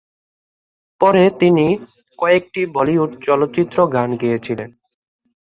পরে, তিনি বেশ কয়েকটি বলিউড চলচ্চিত্র গান গেয়েছিলেন।